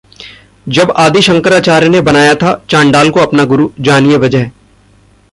जब आदि शंकराचार्य ने बनाया था 'चांडाल' को अपना गुरु, जानिए वजह